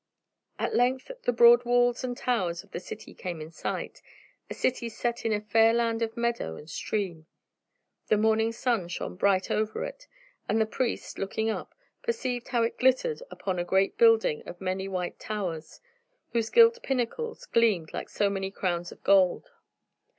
At length the broad walls and towers of the city came in sight, a city set in a fair land of meadow and stream. The morning sun shone bright over it, and the priest, looking up, perceived how it glittered upon a great building of many white towers, whose gilt pinnacles gleamed like so many crowns of gold.